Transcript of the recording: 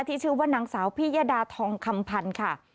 ที่ชื่อว่าหนังสาวพี่ยะดาทองคำพรรณค่ะ